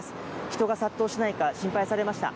人が殺到しないか心配されました。